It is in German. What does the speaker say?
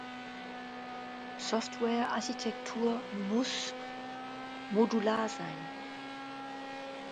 Softwarearchitektur muss modular sein